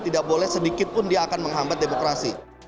tidak boleh sedikitpun dia akan menghambat demokrasi